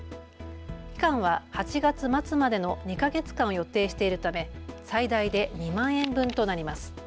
期間は８月末までの２か月間を予定しているため最大で２万円分となります。